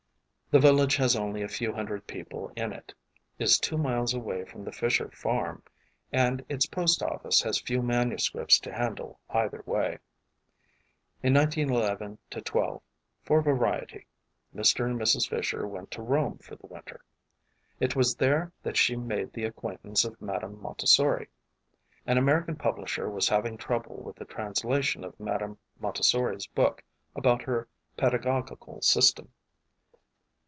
The village has only a few hundred people in it, is two miles away from the Fisher farm, and its post office has few manuscripts to handle either way. In 1911 12, for variety, Mr. and Mrs. Fisher went to Rome for the winter. It was there that she made the acquaintance of Madame Montessori. An American publisher was having trouble with the trans lation of Madame Montessori's book about her peda gogical system.